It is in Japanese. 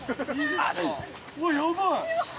うわヤバい！